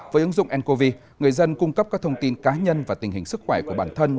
với ứng dụng ncov người dân cung cấp các thông tin cá nhân và tình hình sức khỏe của bản thân